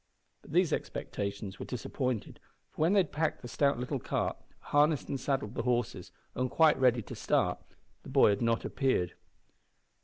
But these expectations were disappointed, for, when they had packed the stout little cart, harnessed and saddled the horses, and were quite ready to start, the boy had not appeared.